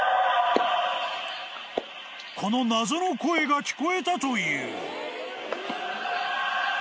［この謎の声が聞こえたという］